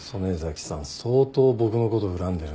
相当僕のこと恨んでるね。